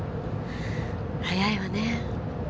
早いわね。